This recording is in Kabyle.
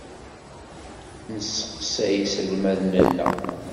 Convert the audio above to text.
Nesseqsay iselmaden-nneɣ.